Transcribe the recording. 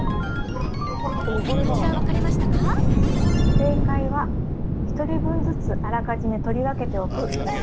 正解は、１人分ずつあらかじめ取り分けておくでした。